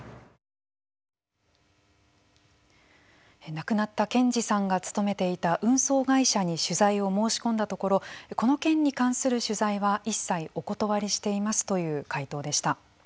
亡くなった健司さんが勤めていた運送会社に取材を申し込んだところ「この件に関する取材は一切お断りしています」という回答でした。